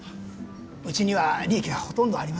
うちには利益はほとんどありません